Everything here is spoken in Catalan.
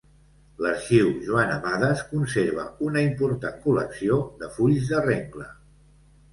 L'Arxiu Joan Amades conserva una important col·lecció de fulls de rengle.